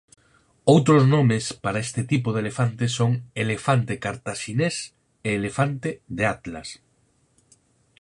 Outros nomes para este tipo de elefante son elefante cartaxinés e elefante de Atlas.